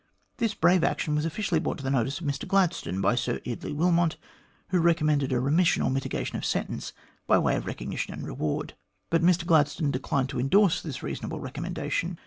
This brave action was officially brought to the notice of Mr Glad stone by Sir Eardley Wilmot, who recommended a remis sion or mitigation of sentence by way of recognition and reward. But Mr Gladstone declined to endorse this reason able recommendation.